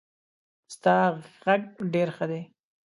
ستا غږ ډېر ښه دی.